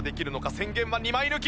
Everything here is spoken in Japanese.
宣言は２枚抜き！